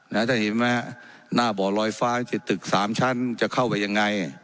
ถ้าเห็นไหมฮะหน้าบ่อลอยฟ้าที่ตึกสามชั้นจะเข้าไปยังไง